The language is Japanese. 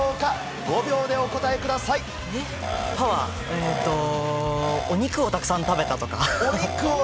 えーとお肉をたくさん食べたとか？